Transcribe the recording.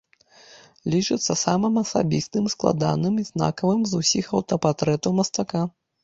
Лічыцца самым асабістым, складаным і знакавым з усіх аўтапартрэтаў мастака.